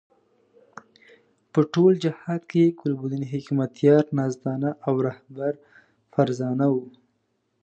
په ټول جهاد کې ګلبدین حکمتیار نازدانه او رهبر فرزانه وو.